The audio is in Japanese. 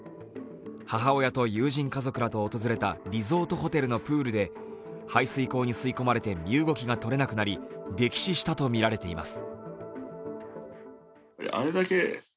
母親と友人家族らと訪れたリゾートホテルのプールで、排水口に吸い込まれて身動きがとれなくなり溺死したとみられています。